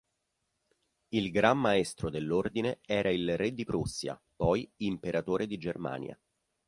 Il gran maestro dell'ordine era il re di Prussia poi imperatore di Germania.